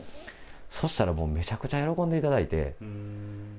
そしたらもう、めちゃくちゃ喜んでいただいて。